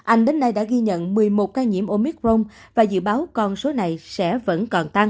anh đến nay đã ghi nhận một mươi một ca nhiễm omicron và dự báo con số này sẽ vẫn còn tăng